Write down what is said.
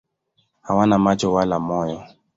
Hawana macho wala moyo.